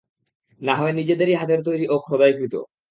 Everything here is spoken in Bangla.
না হয় নিজেদেরই হাতের তৈরি ও খোদাইকৃত।